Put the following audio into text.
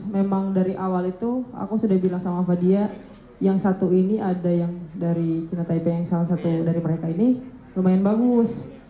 memang dari awal itu aku sudah bilang sama fadia yang satu ini ada yang dari cina taipei yang salah satu dari mereka ini lumayan bagus